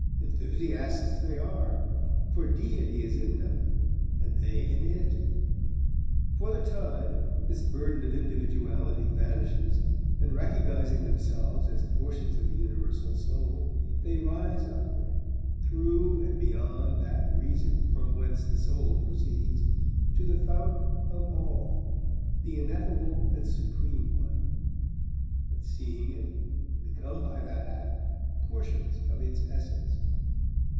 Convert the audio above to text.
Enthusiasts they are; for Deity is in them, and they in It. For the time, this burden of individuality vanishes, and recognising themselves as portions of the universal Soul, they rise upward, through and beyond that Reason from whence the soul proceeds, to the fount of all the ineffable and Supreme One and seeing It, become by that act portions of Its essence.